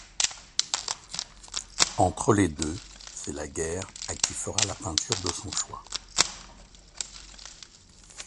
Entre les deux, c'est la guerre à qui fera la peinture de son choix.